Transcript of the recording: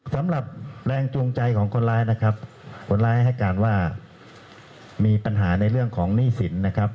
สำหรับแรงจูงใจของคนร้ายนะครับคนร้ายให้การว่ามีปัญหาในเรื่องของหนี้สินนะครับ